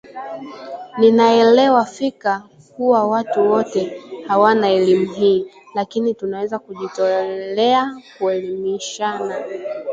Ninaelewa fika kuwa watu wote hawana elimu hii, lakini tunaweza kujitolea kuelimishana